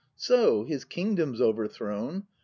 So, His Kingdom's overthrown.